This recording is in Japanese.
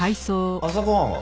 朝ご飯は？